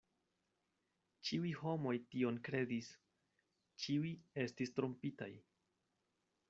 Ĉiuj homoj tion kredis; ĉiuj estis trompitaj.